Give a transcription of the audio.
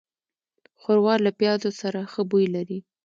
ښوروا له پيازو سره ښه بوی لري.